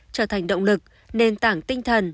trở thành động lực nền tảng tinh thần